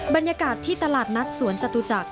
บรรยากาศที่ตลาดนัดสวนจตุจักร